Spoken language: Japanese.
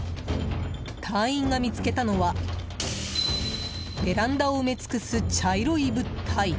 隊員が見つけたのはベランダを埋め尽くす茶色い物体。